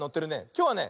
きょうはね